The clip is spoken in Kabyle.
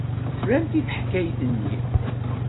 Slant i teḥkayt-nni.